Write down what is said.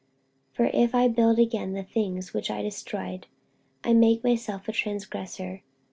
48:002:018 For if I build again the things which I destroyed, I make myself a transgressor.